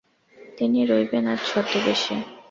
তিনি রইবেন আজ ছদ্মবেশে।